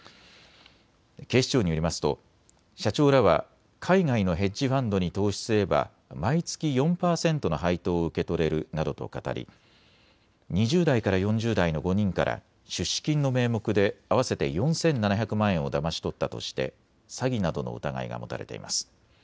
警視庁によりますと社長らは海外のヘッジファンドに投資すれば毎月４％の配当を受け取れるなどとかたり２０代から４０代の５人から出資金の名目で合わせて４７００万円をだまし取ったとして詐欺などの疑いが持たれています。